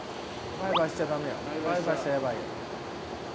バイバイしたらやばいよ。